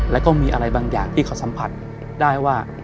แล้วก็มีอะไรบางอย่างที่เขาสัมผัสได้ว่า